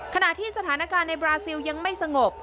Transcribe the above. ขณะที่สถานการณ์ในบราซิลยังไม่สงบ